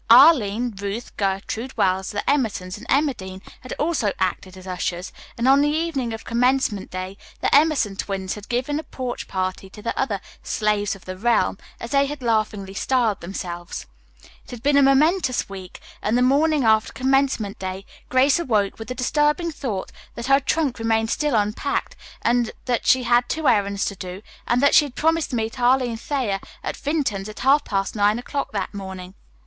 Arline, Ruth, Gertrude Wells, the Emersons and Emma Dean had also acted as ushers, and on the evening of commencement day the Emerson twins had given a porch party to the other "slaves of the realm," as they had laughingly styled themselves. It had been a momentous week, and the morning after commencement day Grace awoke with the disturbing thought that her trunk remained still unpacked, that she had two errands to do, and that she had promised to meet Arline Thayer at Vinton's at half past nine o'clock that morning.